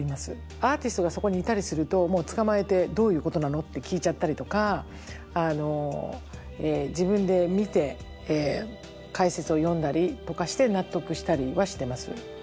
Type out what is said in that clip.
アーティストがそこにいたりするともうつかまえて「どういうことなの？」って聞いちゃったりとか自分で見て解説を読んだりとかして納得したりはしてます。